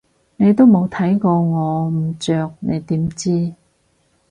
你都冇睇過我唔着你點知？